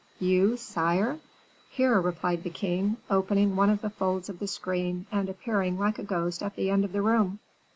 You, sire?" "Here," replied the king, opening one of the folds of the screen, and appearing like a ghost at the end of the room.